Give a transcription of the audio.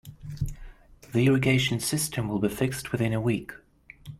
The irrigation system will be fixed within a week.